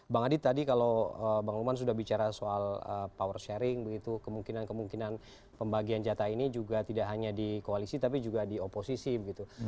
bang adit tadi kalau bang luman sudah bicara soal power sharing begitu kemungkinan kemungkinan pembagian jatah ini juga tidak hanya di koalisi tapi juga di oposisi begitu